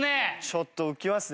ちょっと浮きますね